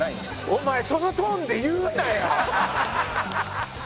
お前そのトーンで言うなよ！